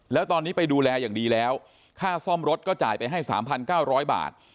แล้วตอนนี้ไปดูแลอย่างดีแล้วค่าซ่อมรถก็จ่ายไปให้๓๙๐๐บาท